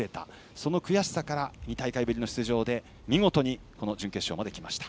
その悔しさから２大会ぶりの出場で見事に準決勝まできました。